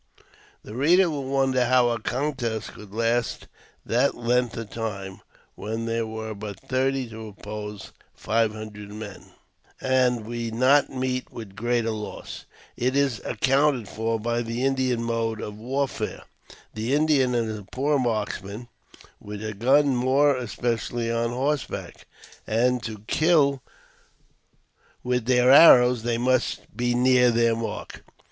The reader will wonder how a contest could last that length of time when there were but thirty to oppose five hundred men, and we not meet with greater loss. It is accounted for by the Indian mode of warfare. The Indian is a poor marks man with a gun, more especially on horseback, and, to kill with their arrows, they must be near their mark.